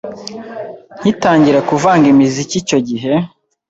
Nkitangira kuvanga imiziki icyo gihe